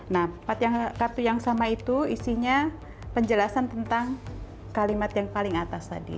nah kartu yang sama itu isinya penjelasan tentang kalimat yang paling atas tadi